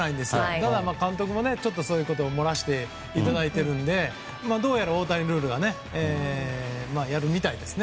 ただ監督からもちょっとそういうことを漏らしていただいているのでどうやら大谷ルールはやるみたいですね。